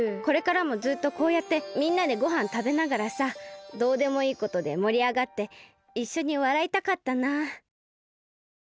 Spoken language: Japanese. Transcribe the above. これからもずっとこうやってみんなでごはんたべながらさどうでもいいことでもりあがっていっしょにわらいたかったな。